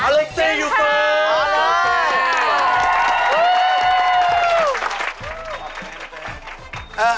ตื่นท้ายค่ะมาก